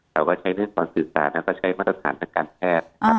เราก็ใช้เรื่องของสื่อสารแล้วก็ใช้มาตรฐานทางการแพทย์